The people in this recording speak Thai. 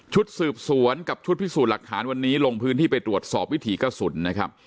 สืบสวนกับชุดพิสูจน์หลักฐานวันนี้ลงพื้นที่ไปตรวจสอบวิถีกระสุนนะครับ